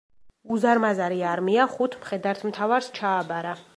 უზარმაზარი არმია ხუთ მხედართმთავარს ჩააბარა.